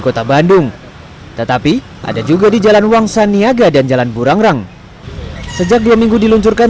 kota bandung tetapi ada juga di jalan wangsa niaga dan jalan burangrang sejak dua minggu diluncurkan